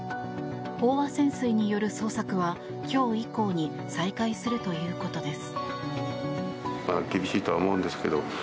飽和潜水による捜索は今日以降に再開するということです。